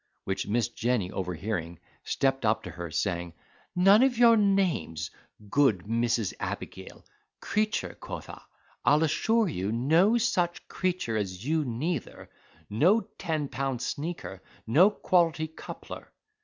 which Miss Jenny overhearing, stepped up to her, saying, "None of your names, good Mrs. Abigail. Creature, quotha—I'll assure you no such creature as you neither—no ten pound sneaker—no quality coupler."